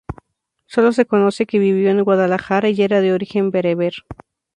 Solo se conoce que vivió en Guadalajara y era de origen bereber.